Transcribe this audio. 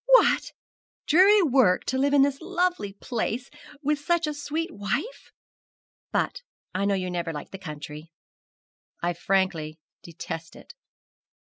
'What! dreary work to live in this lovely place, and with such a sweet wife! But I know you never liked the country.' 'I frankly detest it.'